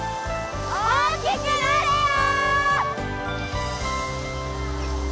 大きくなれよ！